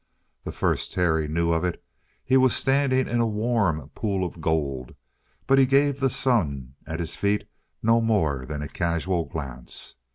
The first Terry knew of it he was standing in a warm pool of gold, but he gave the sun at his feet no more than a casual glance.